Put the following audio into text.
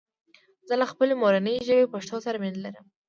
زه له خپلي مورني ژبي پښتو سره مينه لرم